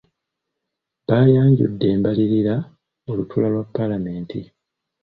Baayanjudde embalirira mu lutuula lwa paalamenti.